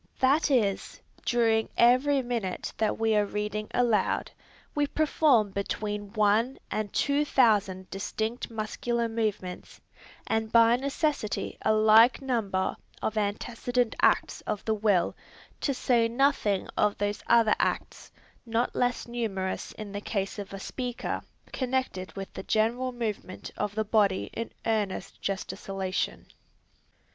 That is, during every minute that we are reading aloud, we perform between one and two thousand distinct muscular movements, and by necessity a like number of antecedent acts of the will, to say nothing of those other acts, not less numerous in the case of a speaker, connected with the general movement of the body in earnest gesticulation.